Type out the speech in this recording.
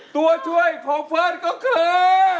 ตัวช่วยของเฟิร์นก็คือ